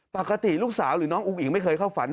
ปกติลูกสาวหรือน้องอุ้งอิ๋งไม่เคยเข้าฝัน